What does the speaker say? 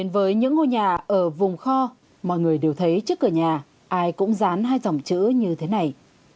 và ở vùng kho mọi người đều thấy trước cửa nhà ai cũng dán hai dòng chữ như thế này